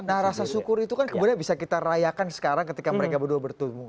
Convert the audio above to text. nah rasa syukur itu kan kemudian bisa kita rayakan sekarang ketika mereka berdua bertemu